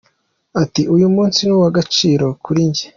Ati Uyu munsi ni uw’agaciro kuri njye.